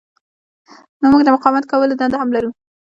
نو موږ د مقاومت کولو دنده هم لرو.